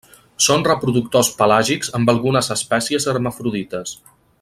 Són reproductors pelàgics amb algunes espècies hermafrodites.